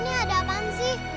ini ada apaan sih